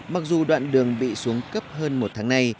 mặc dù đoạn đường bị xuống cấp hơn một tháng nay